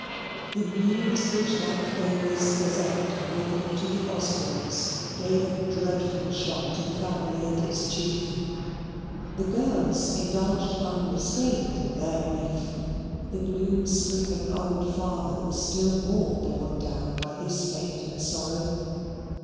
The news which that famous Gazette brought to the Osbornes gave a dreadful shock to the family and its chief. The girls indulged unrestrained in their grief. The gloom stricken old father was still more borne down by his fate and sorrow.